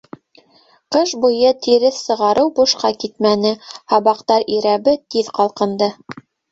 Ҡыш буйы тиреҫ сығарыу бушҡа китмәне: һабаҡтар ирәбе, тиҙ ҡалҡынды.